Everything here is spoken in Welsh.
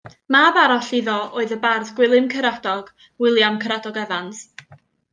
Mab arall iddo oedd y bardd Gwilym Caradog, William Caradog Evans.